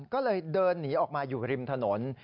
ก็เลยเดินหนีออกมาอยู่ริมถนน